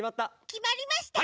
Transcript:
きまりました。